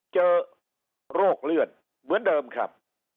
เจอโรคเลือดเหมือนเดิมครับ